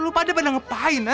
eh lo pada pada ngapain ya